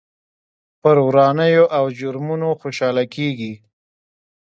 پر ورانيو او جرمونو خوشحاله کېږي.